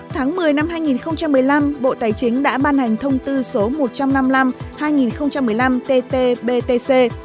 tháng một mươi năm hai nghìn một mươi năm bộ tài chính đã ban hành thông tư số một trăm năm mươi năm